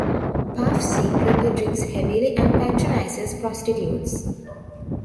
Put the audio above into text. Puff secretly drinks heavily and patronizes prostitutes.